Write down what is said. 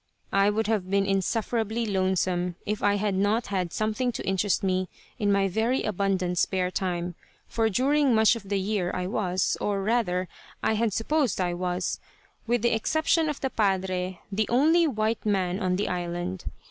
I would have been insufferably lonesome if I had not had something to interest me in my very abundant spare time, for during much of the year I was, or rather I had supposed I was, with the exception of the Padre, the only white man on the island.